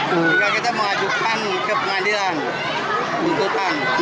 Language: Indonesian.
juga kita mengajukan ke pengadilan